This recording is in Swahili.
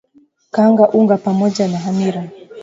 kanga unga pamoja na hamira